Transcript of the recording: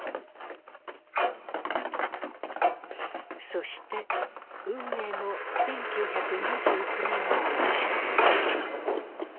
そして運命の１９２９年を迎える。